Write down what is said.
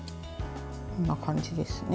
こんな感じですね。